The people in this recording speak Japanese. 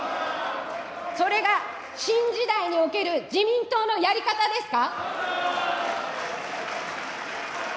それが新時代における自民党のやり方ですか。